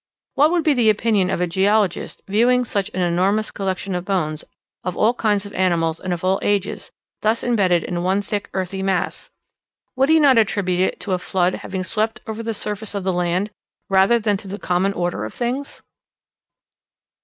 What would be the opinion of a geologist, viewing such an enormous collection of bones, of all kinds of animals and of all ages, thus embedded in one thick earthy mass? Would he not attribute it to a flood having swept over the surface of the land, rather than to the common order of things?